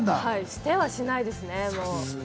捨てはしないですね。